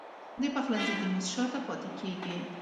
د پخلنځي د میز شاته پاته کیږې